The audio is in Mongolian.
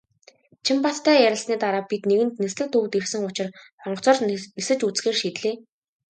Чинбаттай ярилцсаны дараа бид нэгэнт "Нислэг" төвд ирсэн учир онгоцоор нисэж үзэхээр шийдлээ.